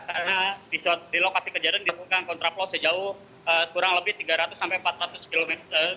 karena di lokasi kejadian dilakukan kontraplau sejauh kurang lebih tiga ratus sampai empat ratus km